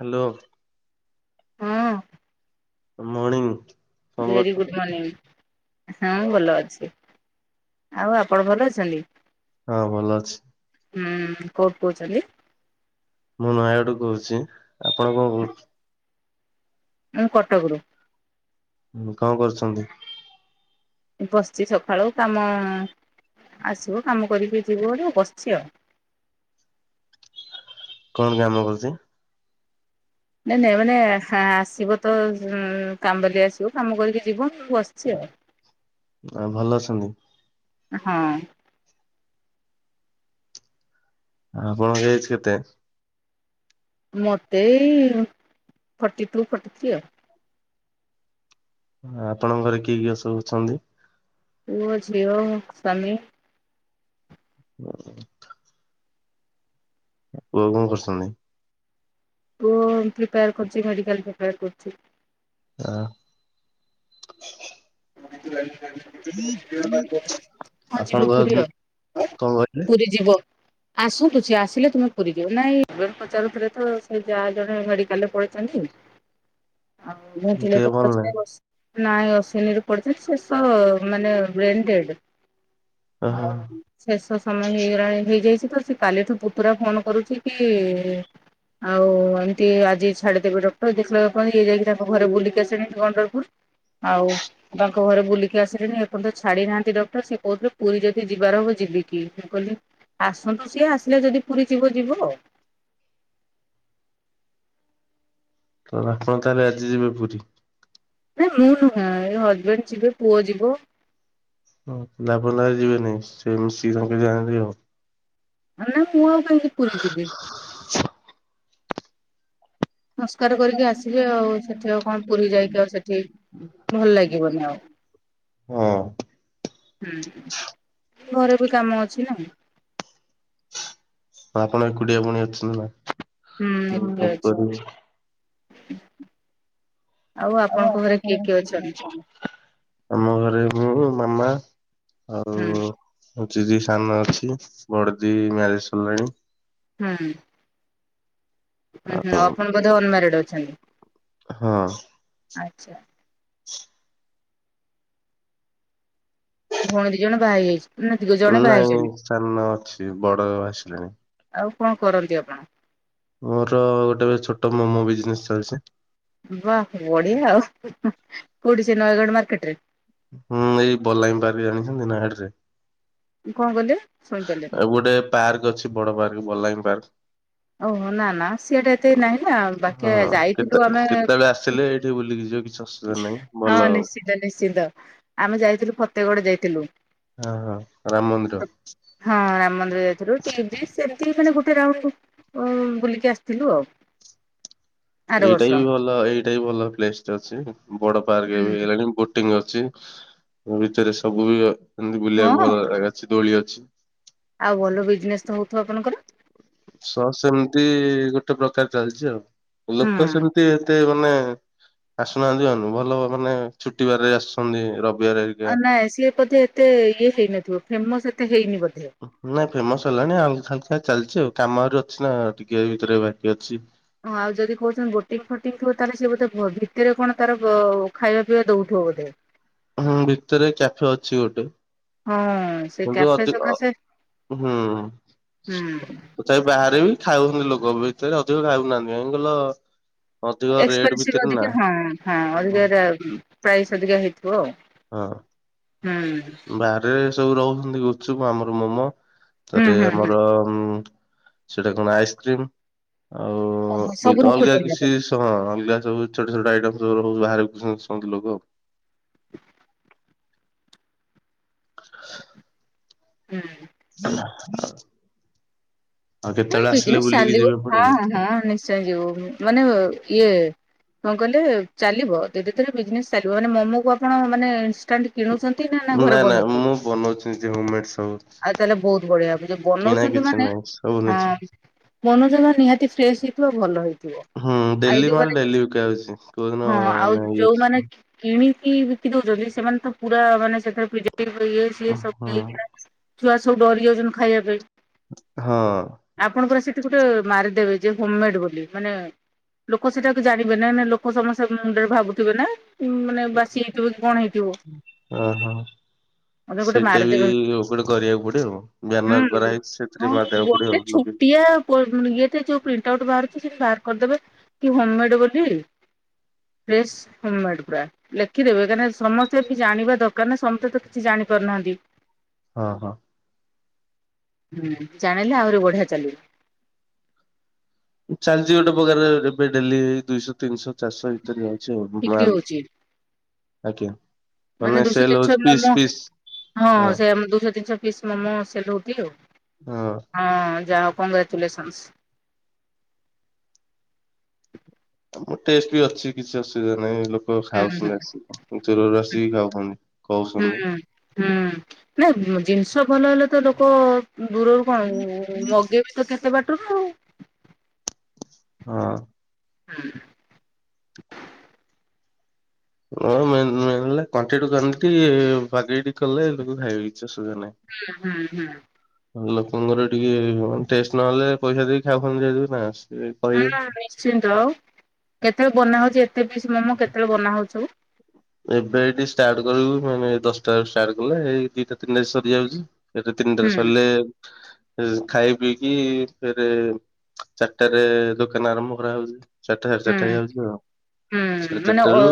Hello ହଁ morning very good morning. ହଁ କଣ? ଭଲ ଅଛି । ଆଉ ଆପଣ ଭଲ ଅଛନ୍ତି? ହଁ ଭଲ ଅଛି ହୁଁ କଟ କହୁଚଲି [unintelligible] ମୁଁ ନୟାଗଡୁ କହୁଛି ଆପଣ କଣ କହୁ ମୁଁ କଟକରୁ ହଁ କଣ କରୁଛନ୍ତି? ବସିଛି ସକାଳୁ କାମ ଆସିବ କାମ କରିକି ଯିବୁ ବୋଲି ବସିଛି ଆଉ କଣ କାମ ହେଉଛି? ନାଇଁ ନାଇଁ ମାନେ ଆସିବ ତ ଉ କାମବାଲି ଆସିବ କାମ କରିକି ଯିବ । ଆଉ ଭଲ ଅଛନ୍ତି? ହଁ। ଆପଣଙ୍କ ଏଜ୍ କେତେ? ମତେ ଏଇ ଫର୍ଟି ଟୁ ଫର୍ଟି ଥ୍ରୀ ଆଉ। ଆପଣଙ୍କ ଘରେ କିଏ କିଏ ସବୁ ଅଛନ୍ତି? ପୁଅ, ଝିଅ, ସ୍ୱାମୀ ହୁଁ । ପୁଅ କଣ କରୁଛନ୍ତି? ପୁଅ ପ୍ରିପେୟାର କରୁଛି ମେଡିକାଲ ପ୍ରିପେୟାର କରୁଛି। ଆ [unintelligible] ହଁ ଯିବ ଆପଣଙ୍କ ପୁରୀ ଆଉ କଣ କହିଲେ ପୁରୀ ଯିବ। ଆସନ୍ତୁ ସେ ଆସିଲେ ତୁମେ ପୁରୀ ଯିବ ନାଇଁ ପଚାରୁଥିଲେ ତ ସେ ଯା ଜଣେ ମେଡିକାଲରେ ପଡ଼ିଛନ୍ତି। ଆଉ ଦେହ ଭଲ ଭେଣ୍ଟିଲେଟର ନାହିଁ? [unintelligible] ନାଇଁ ଅଶ୍ଵିନୀ ରେ। ପଡ଼ିଛନ୍ତି ସେ ତ ମନେ ବ୍ରେନଡେଡ୍। ଓହୋ ଆଉ ଶେଷ ସମୟ ହେଇଗଲାଣି ହେଇଯାଇଛି। ତ ସେ କାଲିଠୁ ପୁତୁରା ଫୋନ କରୁଛି କି ଆଉ ଏମିତି ଆଜି ଛାଡିଦେବେ ଡକ୍ଟର ଦେଖିଲାବେଳୁ ପୁଣି ଇଏ ଯାଇକି ତାଙ୍କ ଘରେ ବୁଲିକି ଆସିଲଣି ଗଣ୍ଡୋଳ ପୁର। ଆଉ ତାଙ୍କ ଘରେ ବୁଲିକି ଆସିଲେଣି ଏପର୍ଯ୍ୟନ୍ତ ଛାଡି ନାହାନ୍ତି ଡକ୍ଟର ସେ କହୁଥିଲେ ପୁରୀ ଯଦି ଯିବାର ହବ ଯିବିକି ମୁଁ କହିଲି ଆସନ୍ତୁ ସିଏ ଆସିଲେ ଯଦି ପୁରୀ ଯିବ ଯିବ ଆଉ। ତ ଆପଣ ତାହେଲେ ଆଜି ଯିବେ ପୁରୀ। ନାଇଁ ମୁଁ ନୁହେ ଏ ହଜବେଣ୍ଡ ଯିବେ ପୁଅ ଯିବ। ହଁ ଆପଣ ତାହେଲେ ଯିବେନି ସେ ମିଶିକି [unintelligible] ନା ନା ମୁଁ ଆଉ କାହିଁକି ପୁରୀ ଯିବି । କରିକି ଆସିବେ ଆଉ ସେଠି ଆଉ [unintelligible] କଣ ପୁରୀ ଯାଇକି ଆଉ ସେଠି ଭଲ ହଁ ଲାଗିବନି ଆଉ। । ହୁଁ ଘରେ ବି କାମ ଅଛି ନା । ହଁ ଆପଣ ଏକୁଟିଆ ପୁଣି ଅଛନ୍ତି ହୁଁ ନା ଏକୁଟିଆ ଅଛି। । [inaudible] ଆଉ ଆପଣଙ୍କ ଘରେ କିଏ କିଏ ଅଛନ୍ତି ଆମ ଘରେ ମୁଁ ମାମା ହୁଁ ଆଉ ହଉଛି ଦି ସାନ ଅଛି ବଡ ଦି ମ୍ୟାରେଜ ସରିଲାଣି । ହୁଁ । ହ ହୁଁ ଆପଣ ବୋଧେ ଅନମାରିଡ ଅଛନ୍ତି ହଁ ଆଛା । [inaudible] ଭଉଣୀ ଦି ଜଣ ବାହା ହେଇଯାଇଛନ୍ତି। ନା ଦି ଜଣେ ବାହା ନାଇଁ ହେଇଛନ୍ତି। ସାନ ଅଛି ବଡ ଆସିଲଣିି । ଆଉ କଣ କରନ୍ତି ଆପଣ? ମୋର ଗୋଟେ ଛୋଟ ମୋମୋ ବିଜନେସ ଚାଲିଛି । ବାହ ବଢ଼ୀୟା ଆଉ କୋଉଠି ସେ ନୟାଗଡ଼ ମାର୍କେଟରେ । ହୁଁ ଏଇ ବଲାଗି ପାର୍କ ଜାଣିଛନ୍ତି ନୟାଗଡରେ । କଣ କହିଲେ? ଶୁଣିପାରିଲିନି ଆ ଗୋଟେ ପାର୍କ ଅଛି ବଡ ପାର୍କ ବଲାଙ୍ଗୀ ପାର୍କ । ଓହୋ ନା ନା ସିଏଟା ଏତେ ନାହିଁ ନା ହଁ ବାକି କେତେ ଯାଇଥିଲୁ ଆମେ କେତେବେଳେ ଆସିଲେ ଏଇଠି ବୁଲିକି ଯିବ କିଛି ଅସୁବିଧା ନାହିଁ ଭଲ ହଁ ନିଶ୍ଚିିତ ନିଶ୍ଚିିତ ଆମେ ଯାଇଥିଲୁ ଫତେଗଡ ଯାଇଥିଲୁ । ହଁ ହଁ । ହଁ ରାମ ମନ୍ଦିର ଯାଇଥିଲୁ [unintelligible] ମାନେ ଗୋଟେ ରାଉଣ୍ଡ। ଓ ବୁଲିକି ଆସିଥିଲୁ ଆଉ' । ଏଇଟା ବି ଭଲ ଏଇଟା ବି ଭଲ ପ୍ଲେସ ଟେ ଅଛି ବଡ ପାର୍କ ହୁଁ ହେଇଗଲାଣି ବୋଟିଂ ଅ । ମ ଭିତରେ ସବୁ ବି ଏମିତି ବୁଲିବାକୁ ହଁ ଭଲ ଅଛି ଦୋଳି ଅଛି। ଆଉ ଭଲ ବିଜନେସ୍ ତ ହଉଥିବ ଆପଣଙ୍କର? ସହ ସେମିତି ଗୋଟେ ପ୍ରକାର ଚାଲିଛି ଆଉ ହୁଁ ଲୋକ ସେମିତି ଏତେ ମାନେ ଆସୁନାହାନ୍ତି ଆ ଭଲ ମାନେ ଛୁଟିବାର ଆସୁଛନ୍ତି ରବ। ଆ ନାଇଁ ସିଏ ବୋଧେ ଏତେ ଇଏ ହେଇନଥିବ ଫେମସ ଏତେ ହେଇନି ବୋଧେ। ନାଇଁ ଫେମସ ହେଲାଣି ହାଲକା ହାଲକା ଚାଲିଛି ଆଉ। କାମରେ ଅଛି ନା ଟିକେ ଭିତରେ ବାକି ଅଛି। ଆଉ ଯଦି କହୁଛନ୍ତି ବୋଟିଂ ଫୋଟିଂ ଥିବ ତାହେଲେ ସିଏ ବୋ ଭିତରେ କଣ ତାର ଖାଇବା ପିଇବା ଦଉଥିବ। ବ ବୋଧେ। [unintelligible] ହୁଁ ଭିତରେ କ୍ୟାଫେ ଅଛି ଗୋଟେ। ହଁ ସେ କିନ୍ତୁ କ୍ୟାଫେ ଅଧିକ ସକାଶେ ହୁଁ ହୁଁ ତଥାପି ବାହାରେ ବି ଖାଉଛନ୍ତି ଲୋକ ଭିତରେ ଅଧିକ ଖାଉନାହାନ୍ତି କାଇଁ କହିଲ ଅଧିକ ରେଟ୍ ଏସପେନସିଭ ଭିତରେ ନା ଅଧିକା ହଁ ହଁ ଅଧିକା ପ୍ରାଇସ୍ ଅଧିକା ହେଇଥିବ ଆଉ ହଁ। ହୁଁ। ବାହାରେ ସବୁ ରହୁଛନ୍ତି ଗୁଚଚୁପ ଆମର ମୋମୋ ହୁଁ ତାରେ ହୁଁ ହୁଁ। ଆମର ସେଟା କଣ ଆଇସକ୍ରିମ ଆଉ ଓହୋ ସବୁ ଅଲଗ ଅଲଗା ରଖୁଛନ୍ତି ଆପଣ? କିଛି ହ ଅଲଗା ସବୁ ଛୋଟ ଛୋଟ ଆଇଟମ୍ ସବୁ ରହୁ ବାହାରେକୁ ଲୋକ ଆଉ। [unintelligible] [inaudible] [inaudible] ହୁଁ। [unintelligible] ହଁ ଆସିଲେ ବିଜନେସ ବୁଲିକି ଚାଲିିବ ଯିବେ ଏପଟେ ହଁ ହଁ ନିଶ୍ଚୟ ଯିବୁ ମାନେ ଇଏ। କଣ କହିଲେ ଚାଲିବ ଧୀରେ ଧୀରେ ବିଜନେସ ଚାଲିବ ମାନେ ମୋମୋ କୁ ଆପଣ ମାନେ ଇନଷ୍ଟାଣ୍ଟ କିଣୁଛନ୍ତି। ନା ନା ମୁଁ ବନଉଛି ନିଜେ ହୋମ୍ ମେଡ୍ ସବୁ ଆଉ ତାହେଲେ ବହୁତ ବଢିଆ ଯୋଉ କିଣା ବନଉଛନ୍ତି କିଛି ନାହିଁ ସବୁ ନିଜେ ମନୋଯୋଗ ନିହାତି ଫ୍ରେଶ୍ ହେଇଥିବ ଭଲ ହେଇ । ହୁଁ ଆଉ ଡେଲି ମାଲ ଯୋଉମାନେ ଡେଲି ବିକା ହଉଛି କୋଉଦିନ ହଁ ଆଉ ମାନେ ଇଏ ଯୋଉମାନେ କିଣି ବିକି ଦଉଛନ୍ତି ସେମାନେ ତ ପୁରା ମାନେ ସେ ଇଏ ସିଏ ହଁ ସବୁ ଛୁଆ ସବୁ ଡରିଯାଉଛନ୍ତି ଖାଇବା ପାଇଁ। ହଁ। ଆପଣଙ୍କର ସେଠି ଗୋଟେ ମାରିଦେବେ ଯେ ହୋମ ମେଡ ବୋଲି ମାନେ। ଲୋକ ସେଟାକୁ ଜାଣିବେ ନା ନା ଲୋକ ସମସ୍ତଙ୍କ ମୁଣ୍ଡରେ ଭାବୁଥିବେ ନା ମାନେ ବାସି ହେଇଥିବ କି କଣ ହେଇ । ଓ ହୋ। ମତେ ଗୋଟେ ସେଇଟା ବି ମାରିଦେବେ ଗୋଟେ କରିବାକୁ ପଡିବ ଆଉ ବ୍ୟାନର ହୁଁ କରାହେଇଛି ସେଥିରେ ହଁ ମାରବାକୁ ପଡିବ। ଗୋଟେ ଆଉ ଲଗେଇ ଛୋଟିଆ ପ ତ ଯୋଉ ପ୍ରିଟ ଆଉଟ ବାହାର। ବାହାର କରିଦେବେ କି ହୋମ ମେଡ ବୋଲି। ଫ୍ରେସ ହୋମ୍ ମେଡ୍ ପୁରା ଲେଖିଦବେ କାହିଁକିନା ସମସ୍ତେ ଜାଣିବା ଦରକାର ନା ସମସ୍ତେ ତ କିଛି ଜାଣି। କରନାନ୍ତି। ହଁ ହଁ। ହୁଁ ଜାଣିଲେ ଆହୁରି ବଢିଆ ଚାଲିବ। ଚାଲିଛି ଗୋଟେ ପ୍ରକାର ଏବେ ଡେଲି ଦୁଇଶହ ତିନିଶହ। ଚାଷ ଭିତରେ ଅଛି ବିକ୍ରି ମାଲ ହଉଛି ଆଜ୍ଞା। ମାନେ ଦୁଇଶହ ସେଲ ତିନିଶ ହଉଛି ପିସ୍ ମୋମୋ। ପିସ୍ ହଁ ସେ ଦୁଇଶହ ତିନିଶହ ପିସ୍ ମୋମୋ ସେଲୋଟି ଆଉ ହଁ ଯାହା। କଂଗ୍ରେଚୁଲେସନ୍ସ। ମୋ ଟେଷ୍ଟ ବି ଅଛି କିଛି ଅସୁବିଧା ନାହିଁ। ହୁଁ ଖାଉଛନ୍ତି ଚୁରରୁ ଆସିକି ଖାଉଛନ୍ତି ହୁଁ କହୁଛନ୍ତି। ହୁଁ ହୁଁ। ନା ଜିନିଷ ଭଲ ହେଲେ ତ ଲୋକ ଦୂରରୁ କଣ ମଗେଇବ ତ କେତେ ବାଟ। ହଉ। ହଁ। ହୁଁ। ହ [unintelligible] ବାଗେଇ ଟିକେ କଲେ ଲୋକ ଖାଇବେ କିଛି। ଅସୁବିଧା ନାହିଁ। ହୁଁ ହୁଁ ହୁଁ। ଲୋକଙ୍କର ଟିକେ ଟେଷ୍ଟ ନହଲେ ପଇସା ଦେଇକି ଖାଇବା [unintelligible] ନା। ସେ କହିବେ ହଁ ନିଶ୍ଚିନ୍ତ ଆଉ କେତେବେଳେ ବନା ହଉଛି। ତେ ପିସ୍ ମୋମୋ କେତେବେଳେ ବନାହଉଛୁ। ଏବେ ଏଠି ଷ୍ଟାର୍ଟ କରିବୁ ମାନେ ଦଶଟା ଷ୍ଟାର୍ଟ କଲେ ଏଇ ଦିଟା ତିନିଟା ସରିଯାଉଛି। ଫରେ ତିନିଟା ହୁଁ ସରିଲେ ଖାଇ ପିଇକି ଫେରେ। ଚାରିଟାରେ ଦୋକାନ ଆରମ୍ଭ କରାହଉଛି। ଚାରିଟା ସାଢେ ହୁଁ ଚାରିଟା ହେଇଯାଉଛି ଆଉ ହୁଁ ସାଢେ ମାନେ ଚାରିଟା ଅ ରୁ।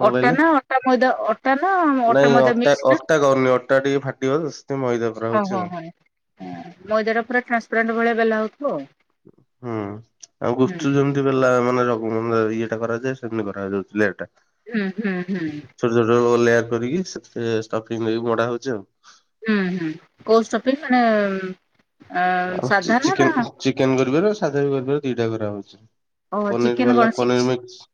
ମୁଁ ଅଟା କହିଲେ ନା ଅଟା ମଇଦା ଅଟା ନା ଅଟା ନାଇଁ ମଇଦା ଅଟଟା ମିକ୍ସ ନା ଅଟଟା କରୁନି ଅଟଟା ଟିକେ ଫାଟିବ। ମଇଦା କରା ହଉଛି ଆଉ। ମଇଦଟା ପୁରା ଟ୍ରାନ୍ସପଣ୍ ଭଳି ବେଲା ହଉ। ହୁଁ ଆଉ ହୁଁ ଗୁପଚୁପ୍ ଯେମିତି ବେଲା ମାନେ। ଇଏଟା କରାଯାଏ ସେମିତି କରାଯାାଉଥିଲା ଏଟା। ହୁଁ ହୁଁ ହୁଁ। କରିକିି ଷ୍ଟଫିଙ୍ଗ କରିକି ମୋଡ଼ା ହଉଛି ଆଉ। ହୁଁ ହୁଁ କୋଉ ଷ୍ଟଫିଙ୍ଗ ମାନେ। ଅ ଆଉ ଚେ ସାଧା ନା ନା ଚିକେନ କରିବାର ସାଧା ବି କରିବାର ଦିଟା କରା ହଉଚଛି। ଓ ପନିର ଚିକେନ ବାଲା କଣ ସିକ୍ସ ପନିର ମିକ୍ସ।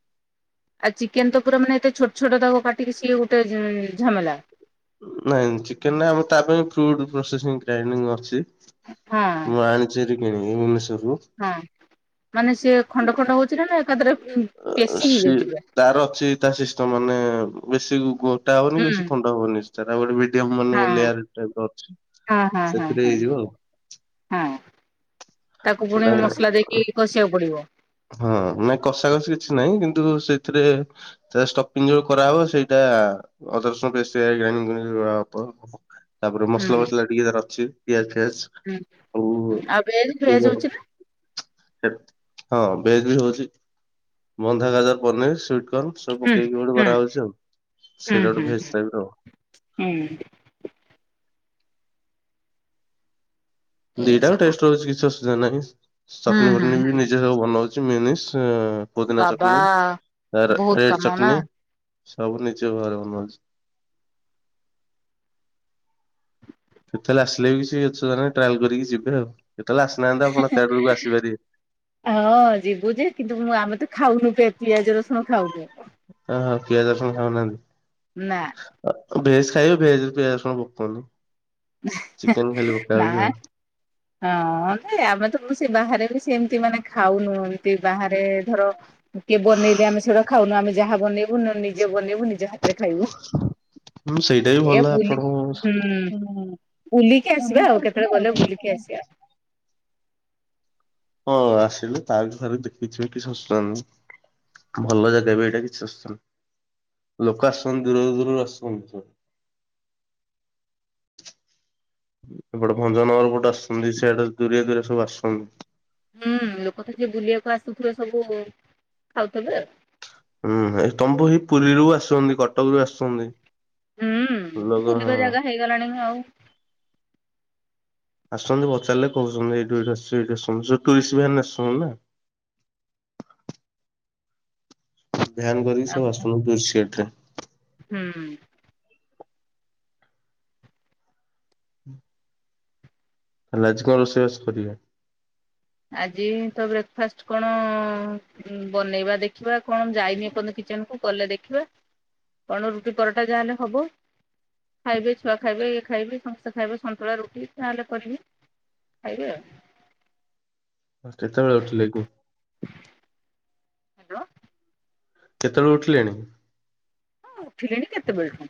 ଆଉ ଚିକେନ ତ ପୁରା ମାନେ ଏତେ ଛୋଟ ଛୋଟ ତାକୁ କାଟିକି ସିଏ ଗୋଟେ ଝାମେଲା। ନାଇଁ ଚିକେନ ନା ଆମ ତା ପାଇଁ ଫ୍ରୁଟ ପ୍ରସେସିଂ ଗ୍ରାଇଡି ଅଛି। ହଁ ମାଣିଚେର କିଣ ଭନେଶର। ହଁ ମାନେ ସିଏ ଖଣ୍ଡ ଖଣ୍ଡ ହଉଛି ନା ନା ଏକାଦ୍ର। ସ ତାର ଅଛି ତା ସିଷ୍ଟ ମାନେ ବେଶୀ ଗୋ। ା ହେନି ହୁଁ କିେଶ ଖଣ୍ଡ ହବନି ଗୋଟେ। ହଁ ଲେୟର ଟାଇପ୍ ର ଅଛି ହଁ ହଁ ହଁ ସେଥିରେ ହଁ ହେଇଯିବ ଆଉ। ହଁ ତାକୁ ସେଟା ପୁଣି ମସଲା ଦେଇକି କଷିବାକୁ ପଡିବ। ହଁ ନାଇ କଷା କଷି କିଛି ନାଇଁ। କିନ୍ତୁ ସେଥିରେ ଷ୍ଟଫିଙ୍ଗ ଯୋଉ କରାହବ ସେଇଟା ଅଦା ରସୁଣ ପେଷ୍ଟ ରେ ଗ୍ରାଇନୀ ତାପରେ ମସଲା ଫସଲା ଟିକେ ତାର ଅଛି ପିଆ ହଁ ଆଉ ଭେଜ୍ ଫେଜ୍ ହଉଛି ନା। ହଁ ଭେଜ ବି ହଉଛି ବନ୍ଧା ଗାଜର ପନିର ସୁଇଟି କଣ ସବୁ ହୁଁ ପକେଇକି ଗୋଟେ ହୁଁ ବରା ହଉଛି ଆଉ। ହୁଁ ସିିଇଟା ହୁଁ ଭେଜ ଟାଇପ୍ ର। ହୁଁ ଏଇଆ ଦିଟା ବି ସବୁ ଟେଷ୍ଟ ରହୁଛି କିଛି ଅସୁବିଧା ନାହିଁ ହୁଁ ଚଟନୀ ହୁଁ ଫଟନୀ ବି ହୁଁ ନିଜେ ସବୁ ବନାଉଚି। ପୁଦିନା ବାବା ଚଟନି ବହୁତ ରେଡ଼ କାମ ନା ଚଟନି। ସବୁ ନିଜ ଘରେ ବନଉଛି। ଯେତେଳେ ଆସିଲେ ବି ସେ ଅଛଧ ଟ୍ରାଏଲ କରିକି ଯିବେ ଆଉ। କେତେବେଳେ ଆସିନାହାନ୍ତି ଆପଣ ତେଡରକୁ ଆସିପାରିବେ ହଁ ଯିବୁ ଯେ କିନ୍ତୁ ମୁଁ ଆମେ ତ ଖାଉନୁ ପ ପିଆଜ ରସୁଣ ଖାଉନୁ। ଓହୋ ପିଆଜ ନା ଖାଉନାହାନ୍ତି ବ ଖାଇବେ ଭେଜରେ ପିଆଜ ରସୁଣ ପକଉନୁ। ନା ହଁ ଆମେ ତ ସେ ବାହାରେ ସେମିତି ମାନେ ଖାଉନୁ ଏମିତି ବାହାରେ ଧର କିଏ ବନେଇଲେ ଆମେ ସେଇଟା ଖାଉନୁ ଆମେ ଯାହା ବନେଇୁ ନିଜେ ବନେଇୁ ନିଜ ହାତ ଖାଇବୁୁ ହୁଁ ସେଇଟା ବି ଭଲ ଏ ବୁଲି ଆପଣଙ୍କୁ ହୁଁ। ବୁଲିକି ଆସିବା ଆଉ, କେତେବେଳେ ଗଲେ ବୁଲିକି ଆସିବା। ହଁ ଆସିଲେ ତାବି ଥରେ ଦେଖିକି ଯିବେ କିଛି ଅସୁବିଧା ନାହିଁ। ଭଲ ଜାଗା ଏବେ ଏଇଟା କିଛି ଅସୁବିଧା ନାହିଁ। ଲୋକ ଆସୁ ଛନ୍ତି ଦୂର ଦୂରର ଆସୁଚନ୍ତି। ଏପଟେ ଭଞ୍ଜନଗର ଗୋଟେ ଆସଛନ୍ତି ସେଆଡେ ଦୁରିଆ ଦୁରିଆ ସବୁ ଆସୁଛନ୍ତି । ରେ ସବୁ ମୁଁ ଖାଉଥେବ ହୁଁ ତମପୁ ହ ପୁରୀରୁ ଆସୁଛନ୍ତି କଟକରୁୁ ଆସୁଛନ୍ତି । ହୁଁ ବୁଲିବା ଜାଗା ହେଇଗଲାଣି ଆଉ ଆସୁଛନ୍ତି ପଚାରିଲେ କହୁଛନ୍ତି ଏଇଠୁ ଏଇଠି ଆସୁ ଏଇଠି ଆସୁ ଯୋଉ ଟୁରିଷ୍ଟ ଭାନ ଆସୁଛନ୍ତି ନା। [inaudible] ବ୍ୟାାନ କରିକି ଆଉ ସବୁ ଆସୁନୁ ଦୁର୍ ସଟ୍ରେ। [unintelligible] ହୁଁ। ହୁଁ [inaudible] ହେଲେ ଆଜି କଣ ରୋଷେଇବାଷ କରିବେ? ଆଜି ତ ବ୍ରେକଫାଷ୍ଟ କଣ, ଅ ବନେଇବା ଦେଖିବା କଣ ଯାଇନି ଏପର୍ଯ୍ୟନ୍ତ କି କିଚେନ କୁ ଗଲେ ଦେଖିବା, କଣ ରୁଟି ପରଟା ଯାହା ହେଲେ ହବ । ଖାଇବେ ଛୁଆ ଖାଇବେ, ଇଏ ଖାଇବେ ସମସ୍ତେ ଖାଇବେ, ସନ୍ତୁଳା ରୁଟି, ଯାହେଲେ କରିବେ । ଖାଇବେ ଆଉ। ହ କେତେବେଳେ ଉଠିଲେ ଏକୁ ହାଲୋ। କେତେବେଳୁ ଉଠିଲେଣି? ହଁ ଉଠିଲିଣି କେତେବେଳଠୁ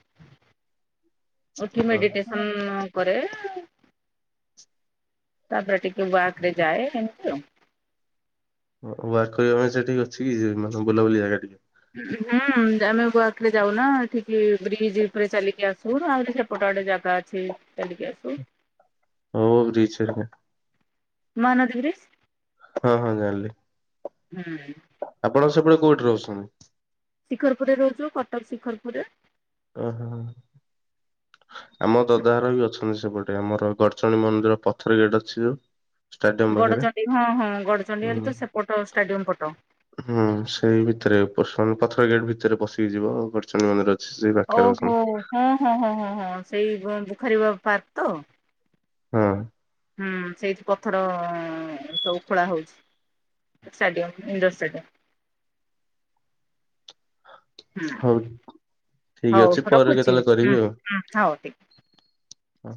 ଉଠି ହଁ ମେଡିଟେସନ କରେ । ତାପରେ ଟିକେ ୱାର୍କରେ ଯାଏ । ଏମିତି ଆଉ ହଉ ୱାର୍କ କରିବା ପାଇଁ ସେଠିକି ଅଛି କିଛି ବୁଲାବୁଲି ଜାଗା ଟିକେ । ହୁଁ, ଆମେ ୱାର୍କରେ ଯାଉନା, ଠିକି ବ୍ରିଜ ଉପରେ ଚାଲିକି ଆସୁ ଆହୁରି ସେପଟ। ଜାଗା ଅଛି ଚାଲିକି ଆସୁ। ହ ବିଚରେ । ମାନଦିରିସ [unintelligible] ହଁ ହଁ ଜାଣିଲି। ହୁଁ ଆପଣ ସେପଟେ କୋଉଠି ରହୁଛନ୍ତି? ଶିଖରପୁରରେ ରହୁଛୁ। କଟକ ଶିଖରପୁରରେ । ଓହୋ ଆମ ଦଦାଘର ବି ଅଛନ୍ତି ।ସେପଟେ ଆମର ଗଡଚଣ୍ଡୀ ମନ୍ଦିର ପଥର ଗେଟ୍ ଅଛି ଯୋଉ ଷ୍ଟାଡିୟମ ପାଖରେ ଗଡ଼ଚଣ୍ଡୀ ହଁ ହଁ ଗଡଚଣ୍ଡୀ ହେଲେ ତ ସେପଟ ଷ୍ଟାଡିୟମ ପଟ । ହୁଁ, ସେଇ ଭିତରେ ପସ ପଥର ଗେଟ୍ ଭିତରେ ପଶିକି ଯିବ ଗଡଚଣ୍ଡୀ ମନ୍ଦିର । ଓହୋ ହୋ ହୋଁ ହଁ ହଁ ହଁ ସେଇ ପୁଖରୀ ପାର୍କ ତ । ହଁ ହୁଁ ସେଇଠି ପଥର ସବୁ ଖୋଳା ହଉଛି । Stadium, Indore stadium. [inaudible] ହୁଁ ହଉ। ଠିକ୍ ହଉ ଅଛି ।ପରେ ରଖୁଛି କେତେବେଳେ ହୁଁ କରିବି ଆଉ। ହୁଁ ହଉ ଠିକ ହ